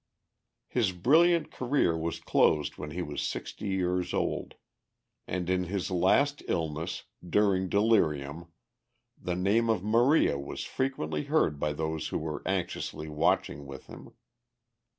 His brilliant career was closed when he was sixty years old, and in his last illness, during delirium, the name of Maria was frequently heard by those who were anxiously watching with him.